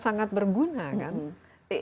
sangat berguna kan